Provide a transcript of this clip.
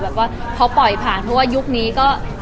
ว่าเขาปล่อยผ่านเพราะว่ายุคนี้ก็